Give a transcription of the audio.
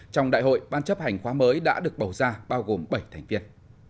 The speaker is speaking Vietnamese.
trong đại hội ban chấp hành khóa mới đã được bầu ra bao gồm bảy thành viên